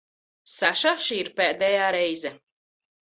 Saša, šī ir pēdējā reize.